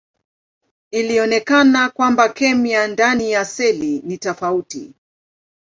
Ilionekana ya kwamba kemia ndani ya seli ni tofauti.